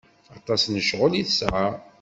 Aṭas n ccɣel i tesɛa.